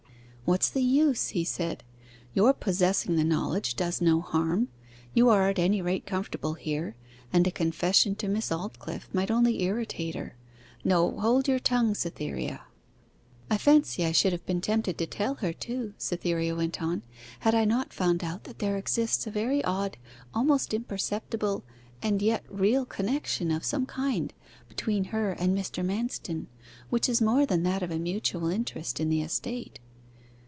'What's the use?' he said. 'Your possessing the knowledge does no harm; you are at any rate comfortable here, and a confession to Miss Aldclyffe might only irritate her. No, hold your tongue, Cytherea.' 'I fancy I should have been tempted to tell her too,' Cytherea went on, 'had I not found out that there exists a very odd, almost imperceptible, and yet real connection of some kind between her and Mr. Manston, which is more than that of a mutual interest in the estate.